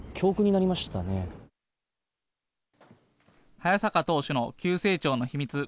早坂投手の急成長の秘密。